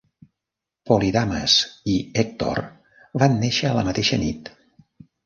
Polydamas i Hector van néixer a la mateixa nit.